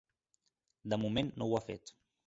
De moment, no ho ha fet.